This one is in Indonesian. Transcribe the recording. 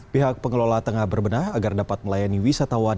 pihak pengelola tengah berbenah agar dapat melayani wisatawan